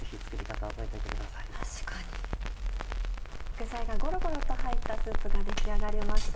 具材がゴロゴロと入ったスープが出来上がりました。